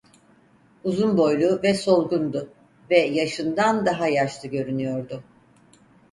Uzun boylu ve solgundu ve yaşından daha yaşlı görünüyordu.